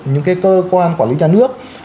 những cái cơ quan quản lý nhà nước